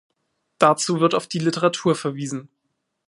Dazu wird auf die Literatur verwiesen.